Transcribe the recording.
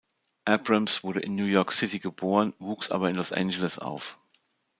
Abrams wurde in New York City geboren, wuchs aber in Los Angeles auf.